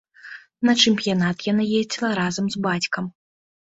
На чэмпіянат яна ездзіла разам з бацькам.